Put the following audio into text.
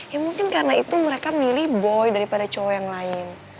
ya mungkin karena itu mereka milih boy daripada cowok yang lain